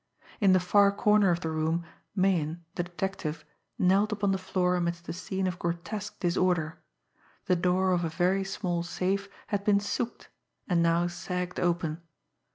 In the far corner of the room, Meighan, the detective, knelt upon the floor amidst a scene of grotesque disorder. The door of a very small safe had been "souped," and now sagged open.